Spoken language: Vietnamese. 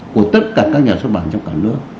của tất cả các nhà xuất bản trong cả nước